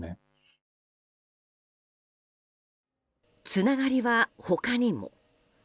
つながりは他にも。